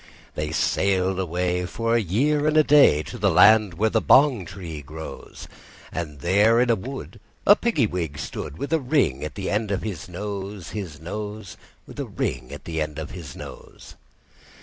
They sailed away, for a year and a day, To the land where the bong tree grows; And there in a wood a Piggy wig stood, With a ring at the end of his nose, His nose, His nose, With a ring at the end of his nose.